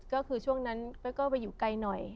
ก็คือช่วงนั้นก็ไปอยู่ไกลหน่อย